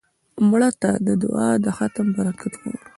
مړه ته د دعا د ختم برکت غواړو